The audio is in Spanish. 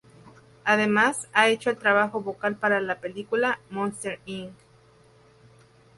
Además, ha hecho el trabajo vocal para la película "Monsters, Inc.